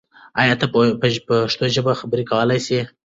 آیا ته په پښتو ژبه خبرې کولای سې؟